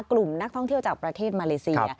กลุ่มนักท่องเที่ยวจากประเทศมาเลเซีย